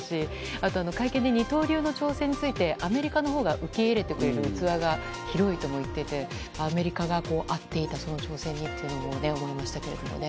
あと会見で二刀流の挑戦についてアメリカのほうが受け入れてくれる器が広いとも言っていてアメリカがその挑戦に合っていたと思いますね。